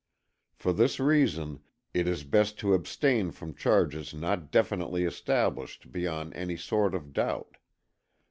For this reason it is best to abstain from charges not definitely established beyond any sort of doubt.